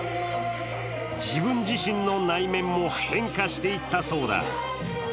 自分自身の内面も変化していったそうだ。